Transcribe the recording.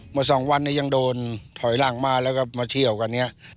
สองวันนี้ยังโดนถอยหลังมาแล้วก็มาเที่ยวกันเนี่ย